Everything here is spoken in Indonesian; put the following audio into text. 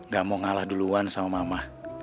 gak mau ngalah duluan sama mama